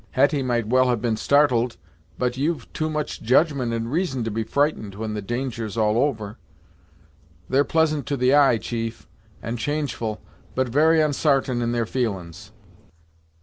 Hetty might well have been startled; but you've too much judgment and reason to be frightened when the danger's all over. They're pleasant to the eye, chief, and changeful, but very unsartain in their feelin's!"